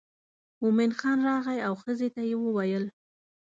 مومن خان راغی او ښځې ته یې وویل.